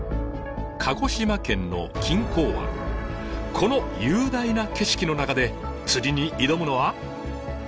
この雄大な景色の中で釣りに挑むのは。